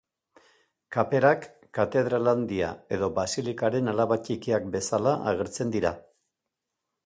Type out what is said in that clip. Kaperak, Katedral Handia edo Basilikaren alaba txikiak bezala agertzen dira.